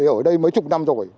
ở đây mấy chục năm rồi